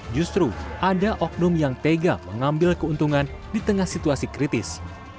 justru ada oknum yang tega mengambil keuntungan di tengah situasi kritis